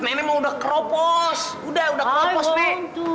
nenek mah udah keropos udah udah keropos nek